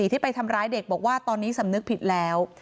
ที่ไปทำร้ายเด็กบอกว่าตอนนี้สำนึกผิดแล้ว